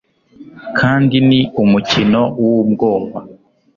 Kandi ni umukino wubwoba